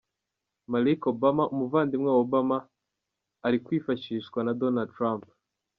Malik Obama, umuvandimwe wa Obama ari kwifashishwa na Donald Trump.